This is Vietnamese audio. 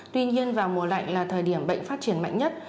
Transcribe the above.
tuy nhiên vào mùa lạnh là thời điểm bệnh phát triển mạnh nhất